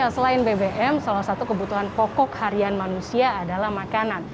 selain bbm salah satu kebutuhan pokok harian manusia adalah makanan